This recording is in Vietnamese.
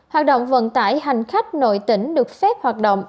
hoạt động vận tải hành khách nội tỉnh được phép hoạt động